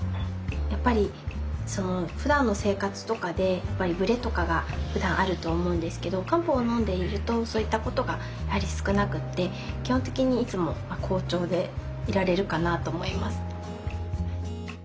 やっぱりふだんの生活とかでブレとかがふだんあると思うんですけど漢方を飲んでいるとそういったことがやはり少なくって基本的にいつも好調でいられるかなと思います。